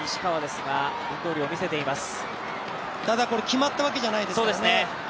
ただこれ決まったわけじゃないですからね。